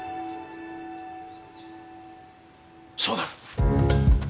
そうだ！